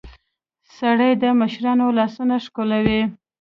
سړى د مشرانو لاسونه ښکلوي.